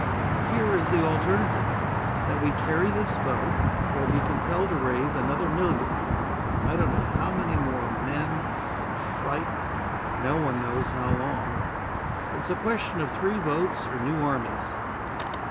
Here is the alternative: that we carry this vote, or be compelled to raise another million, and I don't know how many more, men, and fight no one knows how long. It is a question of three votes or new armies."